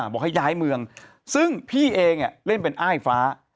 บอกให้ย้ายเมืองซึ่งพี่เองเล่นเป็นอ้ายฟ้า